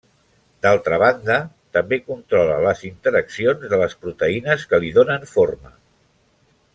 D'altra banda, també controla les interaccions de les proteïnes que li donen forma.